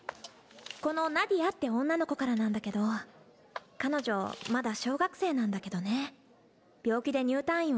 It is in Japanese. このナディアって女の子からなんだけど彼女まだ小学生なんだけどね病気で入退院を繰り返してるそうなの。